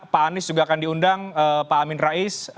pak anies juga akan diundang pak amin rais